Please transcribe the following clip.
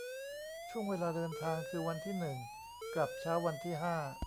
ช่วงเวลาเดินทางคือ วันที่ หนึ่ง กลับเช้าวันที่ ห้า